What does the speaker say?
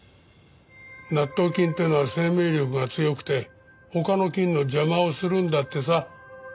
納豆菌っていうのは生命力が強くて他の菌の邪魔をするんだってさ。